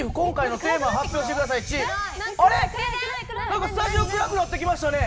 何かスタジオ暗くなってきましたね。